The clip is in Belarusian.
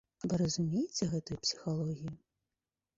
Вы разумееце гэтую псіхалогію?